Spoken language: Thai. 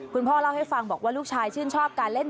คุณพ่อเล่าให้ฟังบอกว่าลูกชายชื่นชอบการเล่น